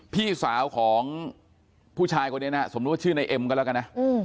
พี่สาวของผู้ชายคนนี้นะสมมุติว่าชื่อในเอ็มก็แล้วกันนะ